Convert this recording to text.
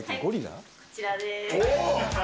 こちらです。